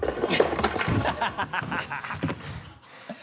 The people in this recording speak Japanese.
ハハハ